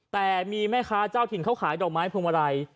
แต่มีแม่ค้าเจ้าถิ่นเขาขายดอกไม้พวงมาลัย